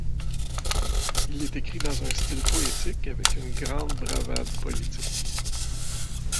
Il est écrit dans un style poétique avec une grande bravade politique.